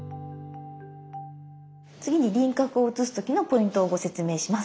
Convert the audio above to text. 次に輪郭を写す時のポイントをご説明します。